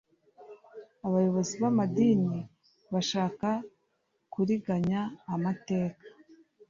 abayobozi b'amadini, bashaka kuriganya amateka